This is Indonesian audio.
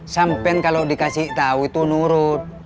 sampen kalo dikasih tau itu nurut